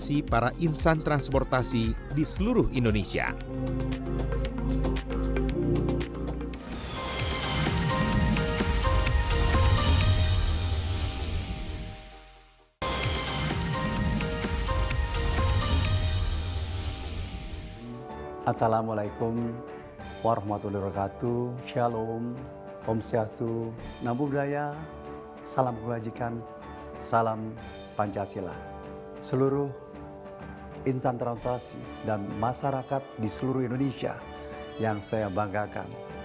insan transportasi dan masyarakat di seluruh indonesia yang saya banggakan